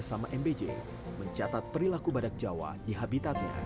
sampai jumpa lagi